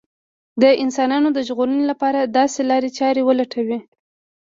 د انسانانو د ژغورنې لپاره داسې لارې چارې ولټوي